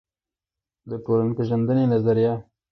دټولنپېژندې ظریه